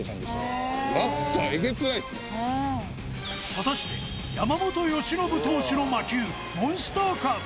果たして山本由伸投手の魔球モンスターカーブ